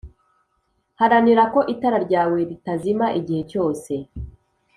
Haranira ko itara ryawe ritazima igihe cyose